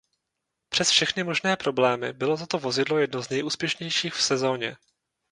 Přes všechny možné problémy bylo toto vozidlo jedno z nejúspěšnějších v sezóně.